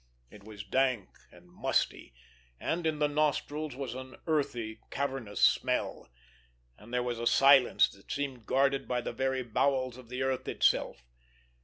It was dank and musty, and in the nostrils was an earthy, cavernous smell; and there was a silence that seemed guarded by the very bowels of the earth itself.